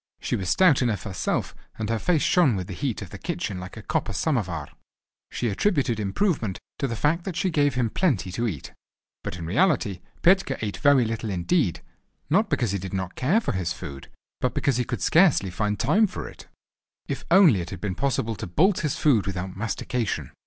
She was stout enough herself and her face shone with the heat of the kitchen like a copper samovar. She attributed his improvement to the fact that she gave him plenty to eat. But in reality Petka ate very little indeed, not because he did not care for his food, but because he could scarcely find time for it. If only it had been possible to bolt his food without mastication!